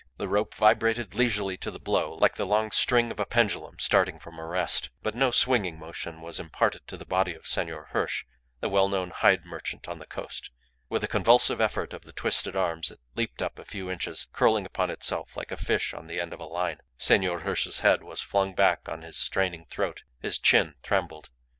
The rope vibrated leisurely to the blow, like the long string of a pendulum starting from a rest. But no swinging motion was imparted to the body of Senor Hirsch, the well known hide merchant on the coast. With a convulsive effort of the twisted arms it leaped up a few inches, curling upon itself like a fish on the end of a line. Senor Hirsch's head was flung back on his straining throat; his chin trembled.